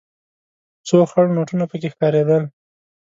څو خړ نوټونه پکې ښکارېدل.